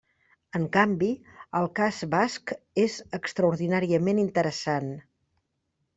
En canvi, el cas basc és extraordinàriament interessant.